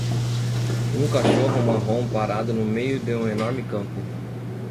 um cachorro marrom parado no meio de um enorme campo.